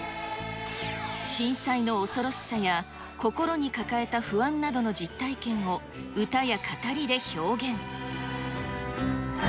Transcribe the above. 震災の恐ろしさや心に抱えた不安などの実体験を、歌や語りで表現。